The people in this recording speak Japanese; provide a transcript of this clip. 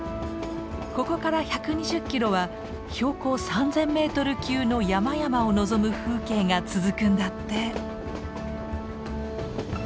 ここから１２０キロは標高３，０００メートル級の山々を望む風景が続くんだって。